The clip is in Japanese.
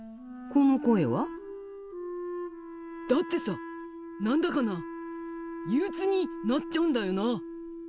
この声は？だってさ何だかなあ憂鬱になっちゃうんだよな。